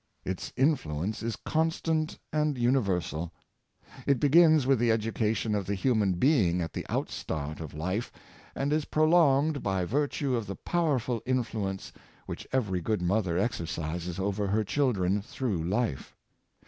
Its influence is constant and universal. It begins with the education of the human being at the outstart of life, and is prolonged by virtue of the powerful in fluence which every good mother exercises over her children through life.